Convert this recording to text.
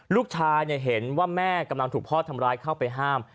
ลูกชายเห็นว่าแม่กำลังถูกพ่อทำร้ายเข้าไปห้าม